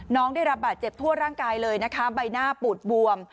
น้องได้รับบาดเจ็บทั่วร่างกายเลยนะคะใบหน้าปูดบวม